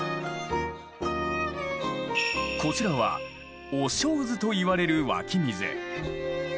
こちらは「御清水」と言われる湧き水。